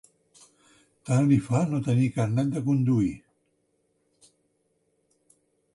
Tant li fa no tenir carnet de conduir.